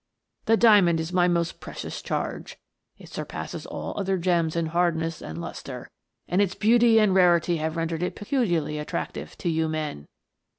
The diamond is my most precious charge. It surpasses all other gems in hardness and lustre, and its beauty and rarity have rendered it peculiarly attractive to you men.